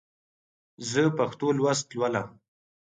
زه پښتو لوست لولم.